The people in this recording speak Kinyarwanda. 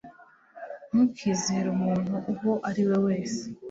ntukizere umuntu uwo ari we wese